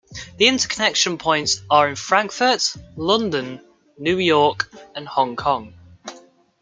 The interconnection points are in Frankfurt, London, New York and Hong Kong.